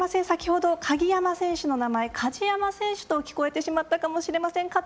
先ほど鍵山選手の名前、かじやま選手と聞こえてしまったかもしれません。